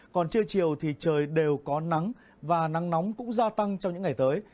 còn trưa chiều thì trời đều có nắng và nắng nóng cũng gia tăng trong những ngày tới